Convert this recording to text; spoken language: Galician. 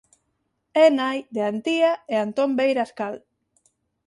É nai de Antía e Antón Beiras Cal.